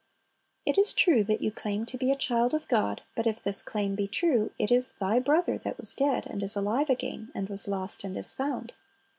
It is true that you claim to be a child of God; but if this claim be true, it is "thy brother" that was "dead, and is alive again; and was lost, and is found."